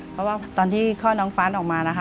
เพราะว่าตอนที่ข้อน้องฟ้านออกมา